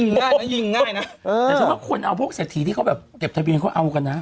ง่ายแล้วยิงง่ายนะแต่ฉันว่าคนเอาพวกเศรษฐีที่เขาแบบเก็บทะเบียนเขาเอากันนะ